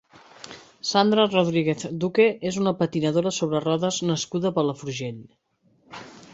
Sandra Rodríguez Duque és una patinadora sobre rodes nascuda a Palafrugell.